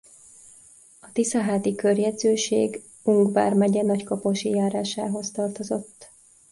A Tiszaháti körjegyzőség Ung vármegye Nagykaposi járásához tartozott.